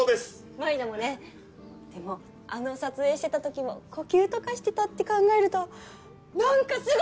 舞菜もねでもあの撮影してた時も呼吸とかしてたって考えるとなんかすごい！